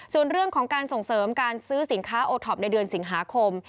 ส่วนเรื่องของการส่งเสริมการซื้อสินค้าโอท็อปในเดือนสิงหาคม